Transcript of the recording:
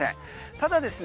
ただですね